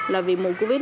là vì mùa covid